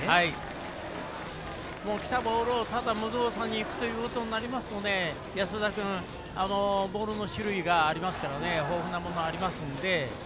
きたボールをただ無造作にいくということになりますと安田君、ボールの種類がありますから豊富なものありますので。